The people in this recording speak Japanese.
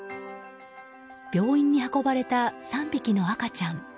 病院に運ばれた３匹の赤ちゃん。